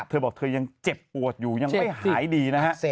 เธอบอกเธอยังเจ็บปวดอยู่ยังไม่หายดีนะฮะ